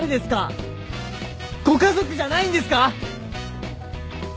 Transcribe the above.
ご家族じゃないんですか！？